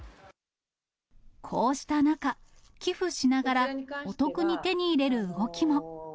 こうした中、寄付しながらお得に手に入れる動きも。